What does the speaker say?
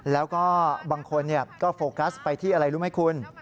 แล้วก็บางคนก็โฟกัสไปที่อะไรรู้ไหมคุณ